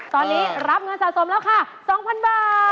ตอนนี้รับเงินสะสมแล้วค่ะ๒๐๐๐บาท